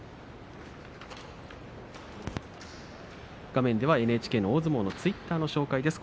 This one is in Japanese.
画面ではＮＨＫの大相撲のツイッターの紹介です。